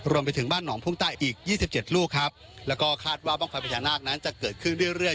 รวมไปถึงบ้านหนองพุ่งใต้อีกยี่สิบเจ็ดลูกครับแล้วก็คาดว่าบ้างไฟพญานาคนั้นจะเกิดขึ้นเรื่อย